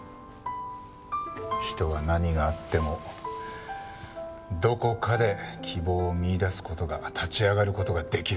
人は何があってもどこかで希望を見いだす事が立ち上がる事ができる。